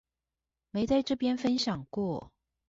沒在這邊分享過